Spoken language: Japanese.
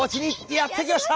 やって来ました！